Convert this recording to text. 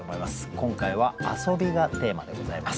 今回は「遊び」がテーマでございます。